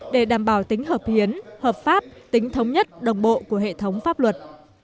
để đảm bảo tính hợp hiến hợp pháp tính thống nhất đồng bộ của hệ thống pháp luật